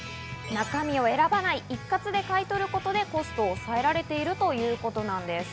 中身を選ばない、一括で買い取ることでコストを抑えられているということなんです。